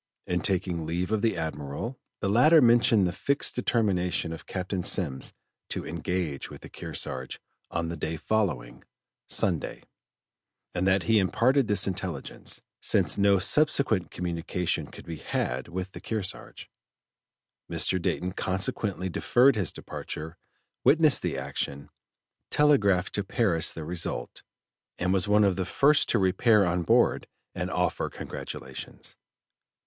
In taking leave of the Admiral, the latter mentioned the fixed determination of Captain Semmes to engage with the Kearsarge on the day following (Sunday), and that he imparted this intelligence, since no subsequent communication could be had with the Kearsarge. Mr. Dayton consequently deferred his departure, witnessed the action, telegraphed to Paris the result, and was one of the first to repair on board and offer congratulations.